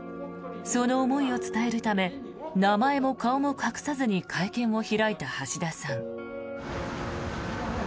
その思いを伝えるため名前も顔も隠さずに会見を開いた橋田さん。